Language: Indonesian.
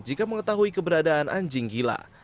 jika mengetahui keberadaan anjing gila